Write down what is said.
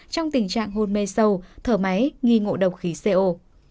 trong tình trạng hôn mê sâu thở máy nghi ngộ độc khí co